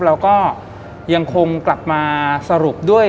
แล้วก็ยังคงกลับมาสรุปด้วย